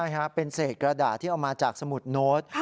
ใช่ครับเป็นเศษกระดาษที่เอามาจากสมุดโน้ต